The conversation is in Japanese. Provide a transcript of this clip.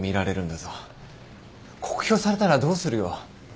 酷評されたらどうするよ。